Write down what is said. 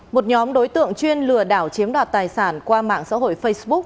một nhóm đối tượng chuyên lừa đảo chiếm đoạt tài sản qua mạng xã hội facebook